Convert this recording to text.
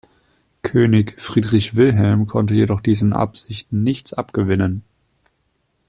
König Friedrich Wilhelm konnte jedoch diesen Absichten nichts abgewinnen.